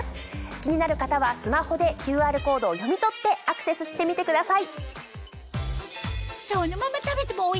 気になる方はスマホでＱＲコードを読み取ってアクセスしてみてください。